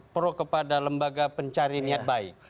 pro kepada lembaga pencari niat baik